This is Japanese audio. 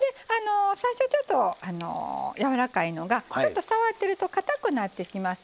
最初ちょっとやわらかいのがちょっと触ってるとかたくなってきます。